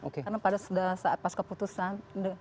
karena pada saat pas keputusan